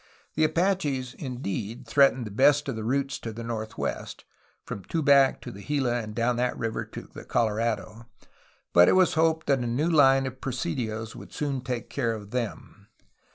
The Apaches, indeed, threatened the best of the routes to the northwest, — from Tubac to the Gila and down that river to the Colorado, — but it was hoped that the new line of presidios would soon take care of them.